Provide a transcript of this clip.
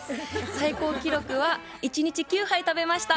最高記録は一日９杯食べました。